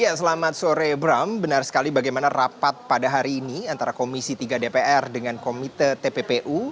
ya selamat sore bram benar sekali bagaimana rapat pada hari ini antara komisi tiga dpr dengan komite tppu